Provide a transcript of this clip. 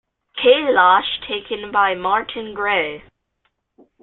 Kailash taken by Martin Gray.